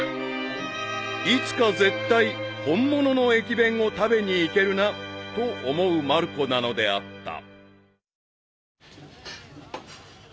［いつか絶対本物の駅弁を食べに行けるなと思うまる子なのであった］